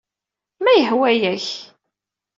Ma yehwa-ak.